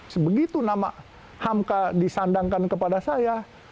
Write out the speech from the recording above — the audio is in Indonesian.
sebegitu nama hamka disandangkan kepada saya